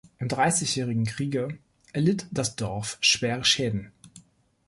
Im Dreißigjährigen Kriege erlitt das Dorf schwere Schäden.